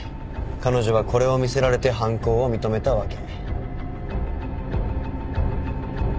彼女はこれを見せられて犯行を認めたわけ。